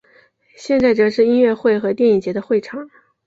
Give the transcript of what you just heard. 现在则是音乐会和电影节的会场。